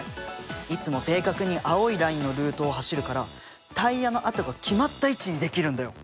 いつも正確に青いラインのルートを走るからタイヤの跡が決まった位置に出来るんだよ！